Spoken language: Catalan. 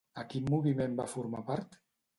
A quin moviment va formar part?